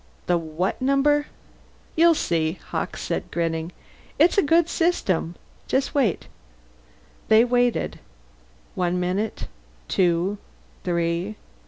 "The what number?" "You'll see," Hawkes said, grinning. "It's a good system. Just wait." They waited. One minute, two, three.